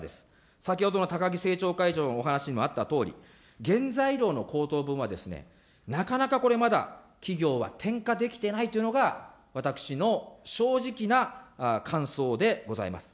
先ほどの高木政調会長のお話にもあったとおり、原材料の高騰分は、なかなか、これまだ企業は転嫁できてないというのが、私の正直な感想でございます。